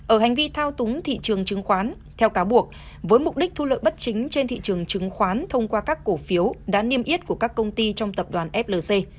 ở hành vi thao túng thị trường chứng khoán theo cáo buộc với mục đích thu lợi bất chính trên thị trường chứng khoán thông qua các cổ phiếu đã niêm yết của các công ty trong tập đoàn flc